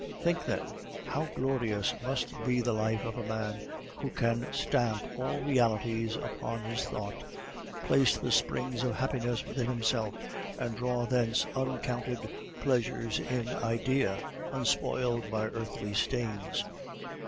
Think, then, how glorious must be the life of a man who can stamp all realities upon his thought, place the springs of happiness within himself, and draw thence uncounted pleasures in idea, unspoiled by earthly stains.